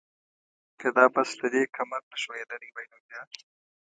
که دا بس له دې کمر نه ښویېدلی وای نو بیا؟